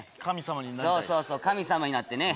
そうそうそう神様になってね